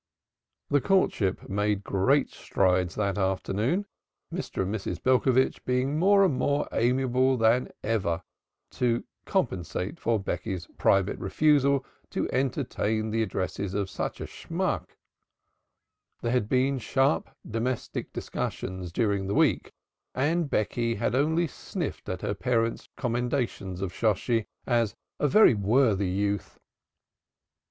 The courtship made great strides that afternoon, Mr. and Mrs. Belcovitch being more amiable than ever to compensate for Becky's private refusal to entertain the addresses of such a Schmuck. There had been sharp domestic discussions during the week, and Becky had only sniffed at her parents' commendations of Shosshi as a "very worthy youth."